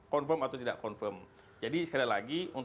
confirm atau tidak confirm jadi sekali lagi